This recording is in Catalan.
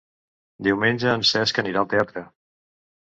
Diumenge en Cesc anirà al teatre.